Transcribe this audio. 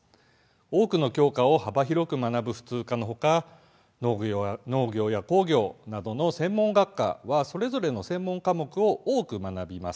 多くの教科を幅広く学ぶ普通科のほか農業や工業などの専門学科はそれぞれの専門科目を多く学びます。